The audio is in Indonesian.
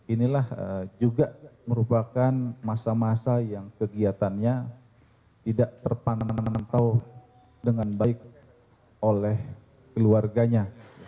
inilah juga merupakan masa masa yang kegiatannya tidak terpanam dengan baik oleh keluarganya